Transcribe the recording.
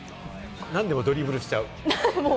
なんでもドリブルしちゃう。